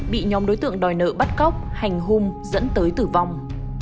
bị nhóm đối tượng đòi nợ bắt cóc hành hung dẫn tới tử vong